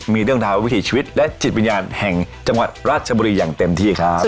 มีเรื่องราววิถีชีวิตและจิตวิญญาณแห่งจังหวัดราชบุรีอย่างเต็มที่ครับ